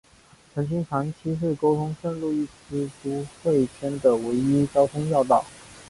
曾经长期是沟通圣路易斯都会圈的唯一的交通要道。